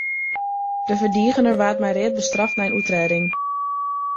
De ferdigener waard mei read bestraft nei in oertrêding.